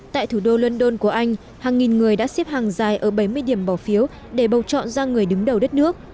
tại thủ đô london của anh hàng nghìn người đã xếp hàng dài ở bảy mươi điểm bỏ phiếu để bầu chọn ra người đứng đầu đất nước